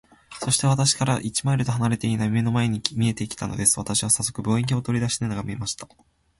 そして、私から一マイルとは離れていない眼の前に見えて来たのです。私はさっそく、望遠鏡を取り出して眺めました。